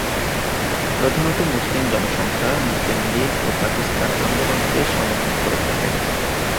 প্রধানত মুসলিম জনসংখ্যা মুসলিম লীগ ও পাকিস্তান আন্দোলনকে সমর্থন করে থাকে।